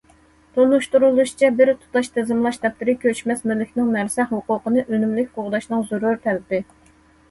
تونۇشتۇرۇلۇشىچە، بىر تۇتاش تىزىملاش دەپتىرى كۆچمەس مۈلۈكنىڭ نەرسە ھوقۇقىنى ئۈنۈملۈك قوغداشنىڭ زۆرۈر تەلىپى.